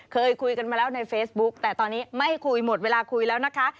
เคยคุยกันมาแล้วในเฟซบุ๊กแต่ตอนนี้ไม่คุยหมดเวลาคุยแล้วนะคะ